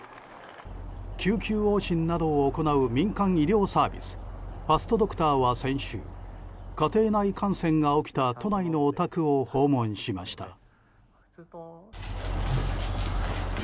救急往診などを行う民間医療サービスファストドクターは先週家庭内感染が起きた都内のお宅を訪問しました。